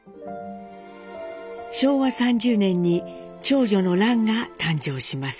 昭和３０年に長女の蘭が誕生します。